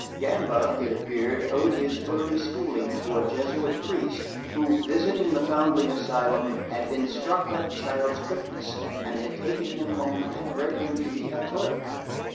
Gamba, it appeared, owed his early schooling to a Jesuit priest who, visiting the foundling asylum, had been struck by the child's quickness, and had taken him home and bred him to be a clerk.